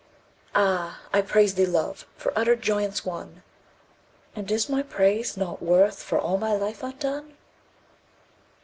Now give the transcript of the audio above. Ah! I praise thee, Love, for utter joyance won! "And is my praise nought worth for all my life undone?"